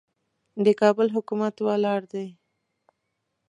د کابل حکومت ولاړ دی.